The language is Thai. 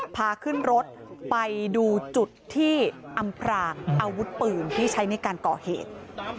พาขึ้นรถไปดูจุดที่อำพรางอาวุธปืนที่ใช้ในการก่อเหตุ